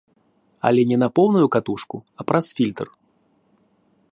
Але не на поўную катушку, а праз фільтр.